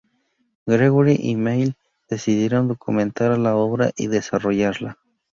Gregory y Malle decidieron documentar la obra y desarrollarla.